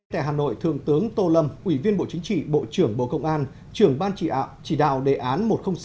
tại hà nội thượng tướng tô lâm ủy viên bộ chính trị bộ trưởng bộ công an trường ban chỉ đạo đề án một trăm linh sáu